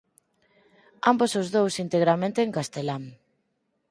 Ambos os dous integramente en castelán.